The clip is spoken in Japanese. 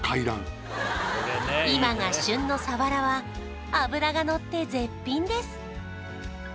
今が旬のさわらは脂がのって絶品です